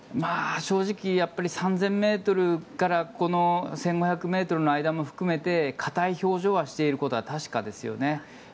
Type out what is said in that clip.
正直、３０００ｍからこの１５００ｍの間も含めて硬い表情はしていることは確かですよね。